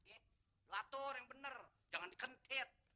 bang juragan aset kaget